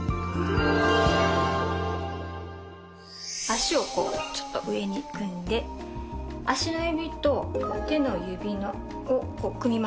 足をこうちょっと上に組んで足の指と手の指を組みます。